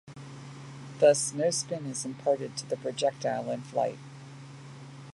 Thus, no spin is imparted to the projectile in flight.